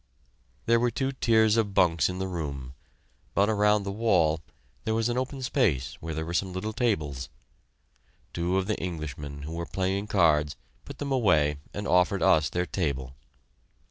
There were two tiers of bunks in the room, but around the wall there was an open space where there were some little tables. Two of the Englishmen, who were playing cards, put them away and offered us their table.